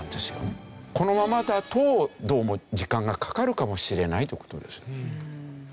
このままだとどうも時間がかかるかもしれないという事ですよね。